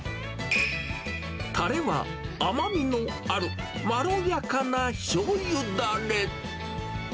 たれは、甘みのあるまろやかなしょうゆだれ。